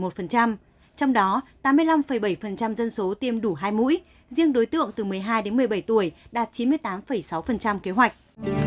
trong đó tám mươi năm bảy dân số tiêm đủ hai mũi riêng đối tượng từ một mươi hai đến một mươi bảy tuổi đạt chín mươi tám sáu kế hoạch